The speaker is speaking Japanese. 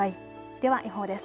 では予報です。